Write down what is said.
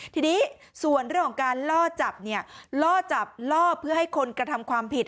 ทีนี้ส่วนเรื่องของการล่อจับเนี่ยล่อจับล่อเพื่อให้คนกระทำความผิด